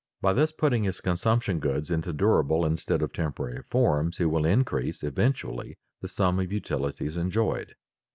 By thus putting his consumption goods into durable instead of temporary forms, he will increase eventually the sum of utilities enjoyed.